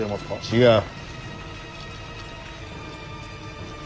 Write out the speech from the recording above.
違う。